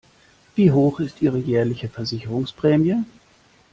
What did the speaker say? Wie hoch ist ihre jährliche Versicherungsprämie?